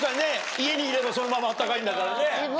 家にいればそのまま暖かいんだからね。